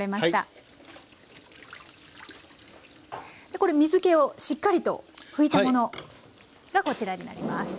これ水けをしっかりと拭いたものがこちらになります。